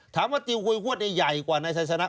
ถามว่าติวหุยหววดใหญ่กว่านายไซสนา